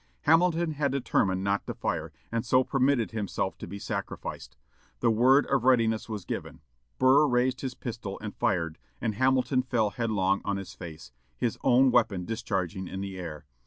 Hamilton had determined not to fire, and so permitted himself to be sacrificed. The word of readiness was given. Burr raised his pistol and fired, and Hamilton fell headlong on his face, his own weapon discharging in the air.